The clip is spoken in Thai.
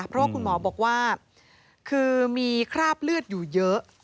เพราะว่าคุณหมอบอกว่าคือมีคราบเลือดอยู่เยอะ